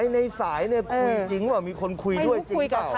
ในสายคุยจริงเปล่ามีคนคุยด้วยจริงหรือเปล่า